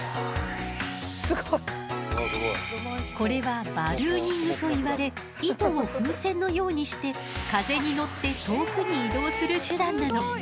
これはバルーニングといわれ糸を風船のようにして風に乗って遠くに移動する手段なの。